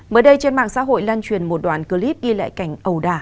mới đây trên mạng xã hội lan truyền một đoạn clip ghi lại cảnh ẩu đà